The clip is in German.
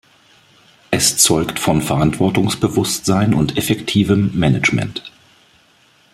Es zeugt von Verantwortungsbewusstsein und effektivem Management.